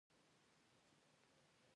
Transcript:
د جوارو تخم باید په قطار وکرل شي که پاش؟